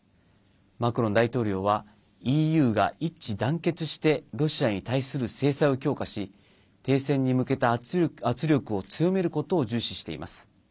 マクロン大統領はＥＵが一致団結してロシアに対する制裁を強化し停戦に向けた圧力を強めることを重視しています。